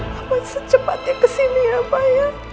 kapan secepatnya kesini ya pak ya